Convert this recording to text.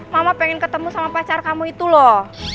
mama pengen ketemu sama pacar kamu itu loh